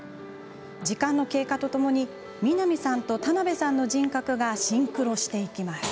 時間の経過とともに南さんと田辺さんの人格がシンクロしていきます。